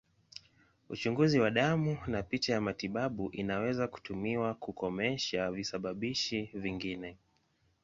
Uchunguzi wa damu na picha ya matibabu inaweza kutumiwa kukomesha visababishi vingine.